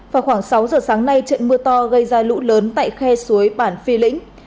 vào khoảng sáu giờ sáng nay trận mưa to gây ra lũ lớn tại khe suối bản phi lĩnh